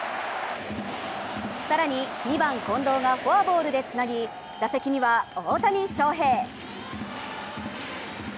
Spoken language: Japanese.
更に２番・近藤がフォアボールでつなぎ打席には大谷翔平。